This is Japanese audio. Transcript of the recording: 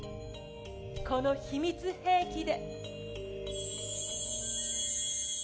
この秘密兵器で。